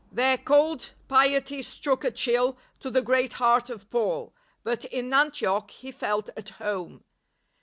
Their cold piety struck a chill to the great heart of Paul; but in Antioch he felt at home.